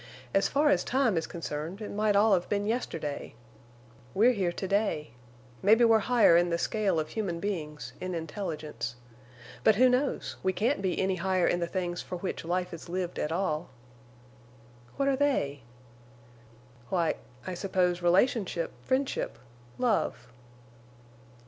As far as time is concerned it might all have been yesterday. We're here to day. Maybe we're higher in the scale of human beings—in intelligence. But who knows? We can't be any higher in the things for which life is lived at all." "What are they?" "Why—I suppose relationship, friendship—love."